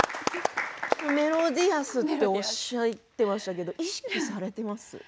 メロディアスとおっしゃっていますけど意識されています？